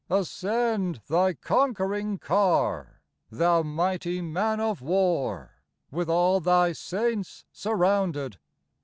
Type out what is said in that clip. " Ascend Thy conquering car, Thou mighty Man of War, With all Thy saints surrounded